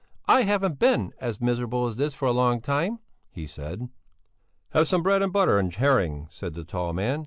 "I haven't been as miserable as this for a long time," he said. "Have some bread and butter and a herring," said the tall man.